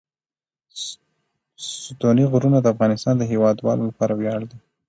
ستوني غرونه د افغانستان د هیوادوالو لپاره ویاړ دی.